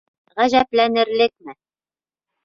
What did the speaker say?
Ғәжәпләнерлекме?